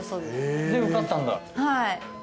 はい。